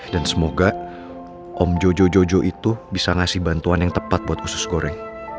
dan semoga om jojo jojo itu bisa ngasih bantuan yang tepat buat usus goreng